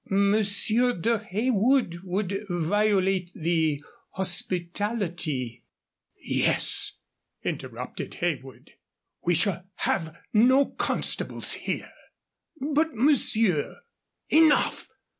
"Monsieur de Heywood would violate the hospitality " "Yes," interrupted Heywood, "we shall have no constables here " "But, monsieur " "Enough!